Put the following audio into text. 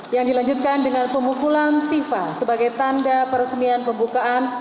yang dilanjutkan dengan pemukulan fifa sebagai tanda peresmian pembukaan